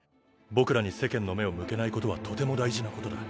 僕らに世間の目を向けないことはとても大事なことだ。